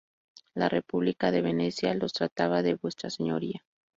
La república de Venecia, los trataba de vuestra señoría.